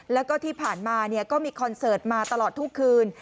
แล้วก็ที่ผ่านมาก็มีคอนเสิร์ตมาตลอดทุกคืน